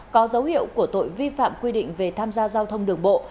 có dấu hiệu của tội vi phạm quy định về tham gia giao thông đường bộ